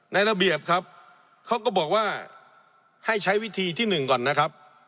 ระเบียบครับเขาก็บอกว่าให้ใช้วิธีที่หนึ่งก่อนนะครับ